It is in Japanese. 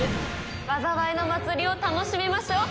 災いの祭りを楽しみましょう。